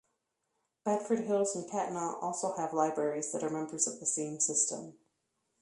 Bedford Hills and Katonah also have libraries that are members of the same system.